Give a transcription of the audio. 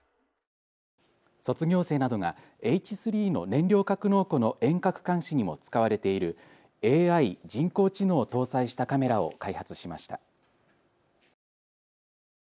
卒業生などがＨ３の燃料格納庫の遠隔監視にも使われているＡＩ・人工知能を搭載したカメラを開発しました。